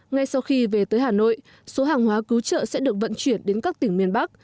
ngay sau khi về tới hà nội số hàng hóa cứu trợ sẽ được vận chuyển đến các tỉnh miền bắc